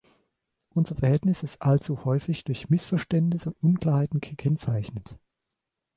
Unser Verhältnis ist allzu häufig durch Missverständnisse und Unklarheiten gekennzeichnet.